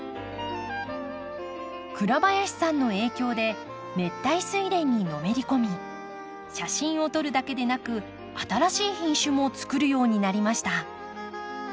倉林さんの影響で熱帯スイレンにのめり込み写真を撮るだけでなく新しい品種もつくるようになりました。